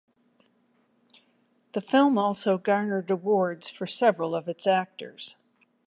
The film also garnered awards for several of its actors.